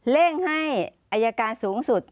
เร่งให้อายการสูงสุด